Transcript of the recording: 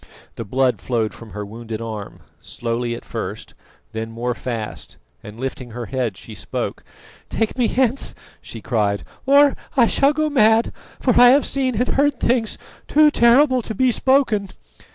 The blood flowed from her wounded arm, slowly at first, then more fast, and lifting her head she spoke. "Take me hence," she cried, "or I shall go mad; for I have seen and heard things too terrible to be spoken!"